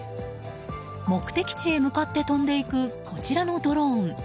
目的地へ向かって飛んでいくこちらのドローン。